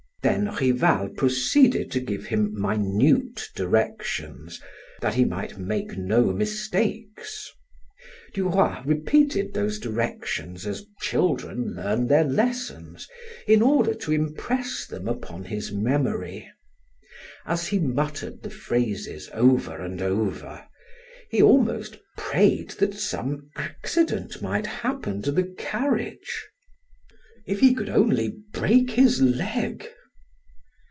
Then Rival proceeded to give him minute directions, that he might make no mistakes. Duroy repeated those directions as children learn their lessons in order to impress them upon his memory. As he muttered the phrases over and over, he almost prayed that some accident might happen to the carriage; if he could only break his leg!